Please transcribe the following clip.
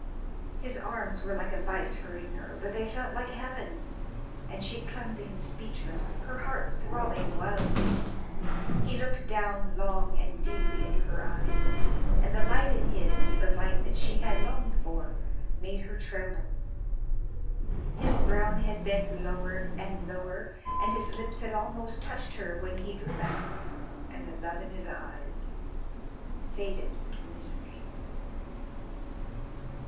His arms were like a vice hurting her, but they felt like heaven, and she clung to him speechless, her heart throbbing wildly. He looked down long and deeply into her eyes, and the light in his the light that she had longed for made her tremble. His brown head bent lower and lower, and his lips had almost touched her when he drew back, and the love in his eyes faded into misery.